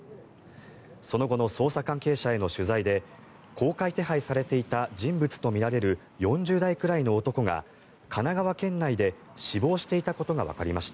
その後の捜査関係者への取材で公開手配されていた人物とみられる４０代くらいの男が神奈川県内で死亡していたことがわかりました。